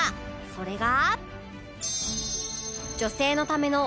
それが